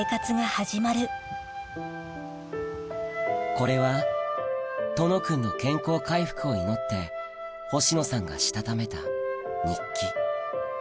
これは殿くんの健康回復を祈って星野さんがしたためた日記